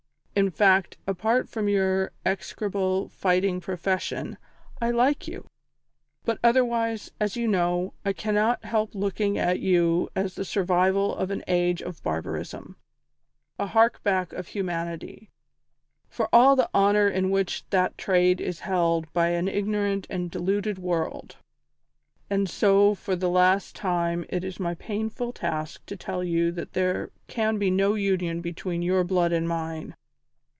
In fact, apart from your execrable fighting profession, I like you; but otherwise, as you know, I cannot help looking at you as the survival of an age of barbarism, a hark back of humanity, for all the honour in which that trade is held by an ignorant and deluded world; and so for the last time it is my painful task to tell you that there can be no union between your blood and mine.